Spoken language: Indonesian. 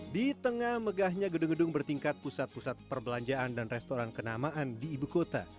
di tengah megahnya gedung gedung bertingkat pusat pusat perbelanjaan dan restoran kenamaan di ibu kota